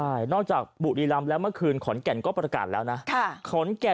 ใช่นอกจากบุรีรำแล้วมักคืนขอดแก่ีก็ประกาศแล้วนะ